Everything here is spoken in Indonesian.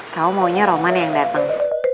kamu maunya roman yang datang